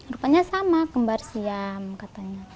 rupanya sama kembar siam katanya